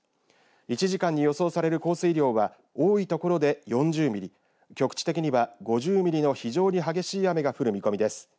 １時間に予想される降水量は多い所で４０ミリ局地的には５０ミリの非常に激しい雨が降る見込みです。